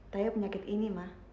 saya penyakit ini ma